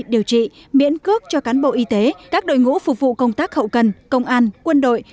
điều trị miễn cước cho cán bộ y tế các đội ngũ phục vụ công tác hậu cần công an quân đội